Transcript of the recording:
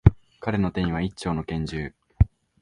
彼の手には、一丁の拳銃。